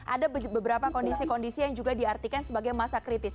ada beberapa kondisi kondisi yang juga diartikan sebagai masa kritis